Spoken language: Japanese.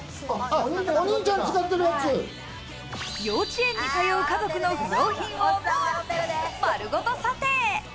幼稚園に通う家族の不用品を丸ごと査定。